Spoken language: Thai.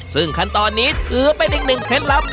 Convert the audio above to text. ซึ่งขั้นตอนนี้ถือเป็นอีกหนึ่งเคล็ดลับ